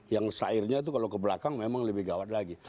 yang syairnya itu kalau ke belakang memang lebih gawat lagi